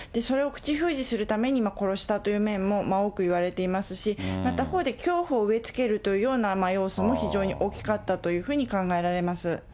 それを口封じするために、殺したという面も多くいわれていますし、また他方で、恐怖を植え付けるというような要素も非常に大きかったというふうに考えられます。